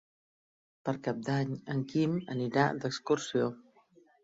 Per Cap d'Any en Quim anirà d'excursió.